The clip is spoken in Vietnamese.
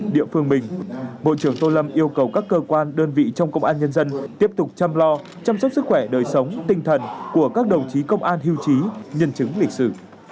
địa phương mình bộ trưởng tô lâm yêu cầu các cơ quan đơn vị trong công an nhân dân tiếp tục chăm lo chăm sóc sức khỏe đời sống tinh thần của các đồng chí công an hưu trí nhân chứng lịch sử